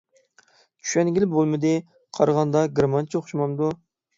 چۈشەنگىلى بولمىدى. قارىغاندا گېرمانچە ئوخشىمامدۇ؟